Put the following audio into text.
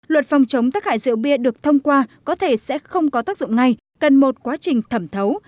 luật phòng chống tác hại rượu bia được thông qua có thể sẽ không có tác dụng ngay cần một quá trình thẩm thấu